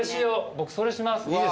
僕それします。